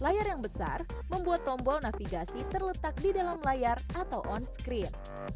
layar yang besar membuat tombol navigasi terletak di dalam layar atau on screen